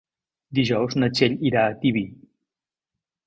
Dijous na Txell irà a Tibi.